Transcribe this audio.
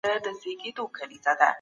ګاونډیان به په ټولنه کي عدالت تامین کړي.